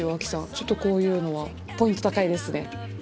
ちょっとこういうのはポイント高いですね。